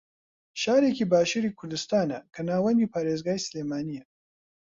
شارێکی باشووری کوردستانە کە ناوەندی پارێزگای سلێمانییە